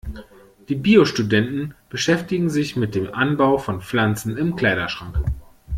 Die Bio-Studenten beschäftigen sich mit dem Anbau von Pflanzen im Kleiderschrank.